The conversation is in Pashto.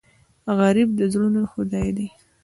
غریب د زړونو خدای دی